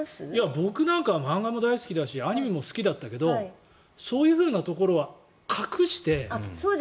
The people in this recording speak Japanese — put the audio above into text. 僕なんかは漫画も大好きだしアニメも好きだったけどそういうふうなところは隠して。